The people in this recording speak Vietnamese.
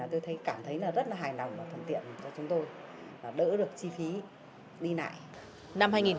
tôi cảm thấy rất là hài lòng và thuận tiện cho chúng tôi đỡ được chi phí đi nại